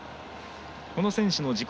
この選手の自己